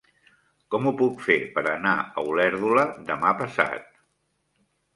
Com ho puc fer per anar a Olèrdola demà passat?